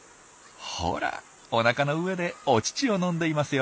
ほらおなかの上でお乳を飲んでいますよ。